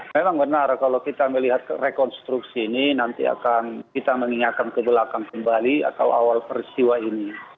memang benar kalau kita melihat rekonstruksi ini nanti akan kita mengingatkan ke belakang kembali atau awal peristiwa ini